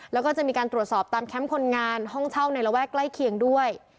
แล้วก็จะมีการตรวจสอบตามแคมป์คนงานห้องเช่าในระแวกใกล้เคียงด้วย